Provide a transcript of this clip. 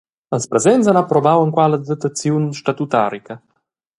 Ils presents han approbau enqual adattaziun statutarica.